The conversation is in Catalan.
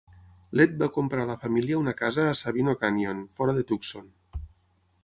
L'Ed va comprar a la família una casa a Sabino Canyon, fora de Tucson.